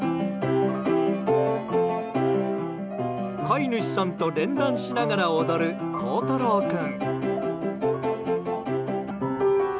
飼い主さんと連弾しながら踊る光太郎君。